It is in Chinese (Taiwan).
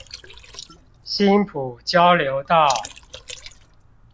新埔交流道